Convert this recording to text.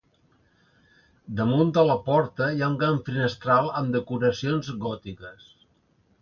Damunt de la porta hi ha un gran finestral amb decoracions gòtiques.